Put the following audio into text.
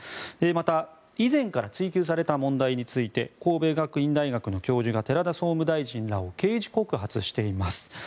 また、以前から追及された問題について神戸学院大学の教授が寺田総務大臣らを刑事告発しています。